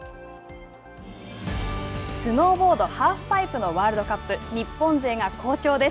スノーボードハーフパイプのワールドカップ日本勢が好調です。